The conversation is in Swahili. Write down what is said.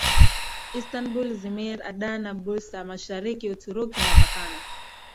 Istanbul Izmir Adana Bursa Mashariki Uturuki inapakana